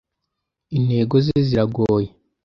intego ze ziragoye.